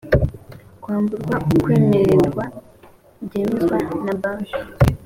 kwamburwa ukwemererwa byemezwa na banki